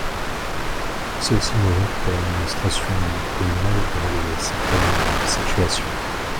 C’est aussi le moyen pour l’administration communale de régler certaines situations.